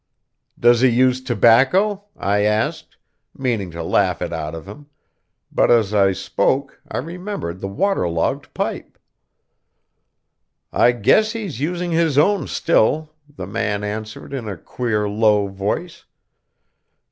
"Does he use tobacco?" I asked, meaning to laugh it out of him, but as I spoke I remembered the water logged pipe. "I guess he's using his own still," the man answered, in a queer, low voice.